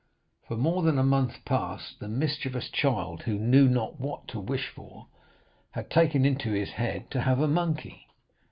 For more than a month past, the mischievous child, who knew not what to wish for, had taken it into his head to have a monkey.